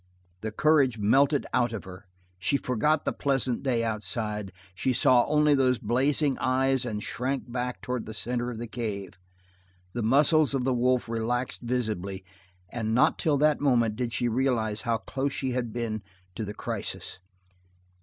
The courage melted out of her; she forgot the pleasant day outside; she saw only those blazing eyes and shrank back towards the center of the cave. The muscles of the wolf relaxed visibly, and not till that moment did she realize how close she had been to the crisis.